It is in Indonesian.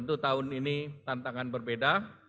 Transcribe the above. untuk tahun ini tantangan berbeda